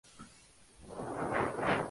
Su capital es Sevilla.